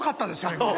今。